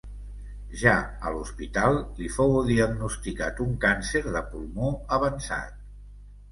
Ja a l'hospital, li fou diagnosticat un càncer de pulmó avançat.